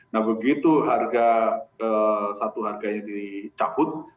nah begitu satu harga yang dicabut